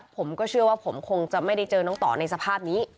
ผมก็เชื่อว่าผมคงจะไม่ได้เจอน้องต่อในสภาพนี้